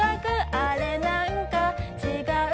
あれなんか違う